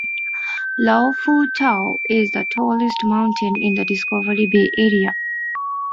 Lo Fu Tau is the tallest mountain in the Discovery Bay area.